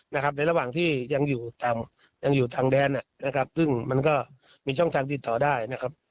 ในระหว่างที่ยังอยู่ตามยังอยู่ทางแดนนะครับซึ่งมันก็มีช่องทางติดต่อได้นะครับ